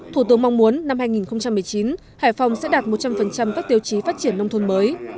thủ tướng mong muốn năm hai nghìn một mươi chín hải phòng sẽ đạt một trăm linh các tiêu chí phát triển nông thôn mới